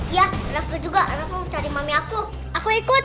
iya aku juga mau cari mami aku aku ikut